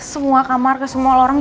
semua kamar ke semua orang